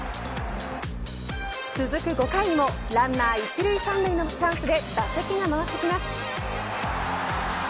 続く５回にもランナー１塁３塁のチャンスで打席が回ってきます。